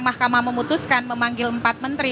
mahkamah memutuskan memanggil empat menteri